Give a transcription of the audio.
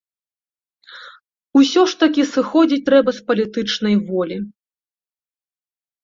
Усё ж такі, сыходзіць трэба з палітычнай волі.